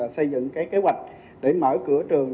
xây dựng cái kế hoạch để mở cửa trường